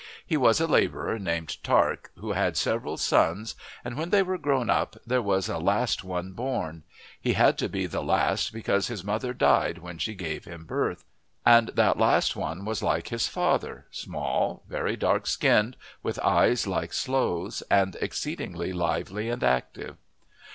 He was a labourer named Tark, who had several sons, and when they were grown up there was a last one born: he had to be the last because his mother died when she gave him birth; and that last one was like his father, small, very dark skinned, with eyes like sloes, and exceedingly lively and active.